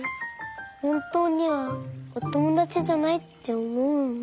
ほんとうにはおともだちじゃないっておもうんだ。